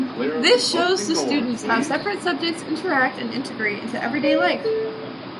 This shows the students how separate subjects interact and integrate into everyday life.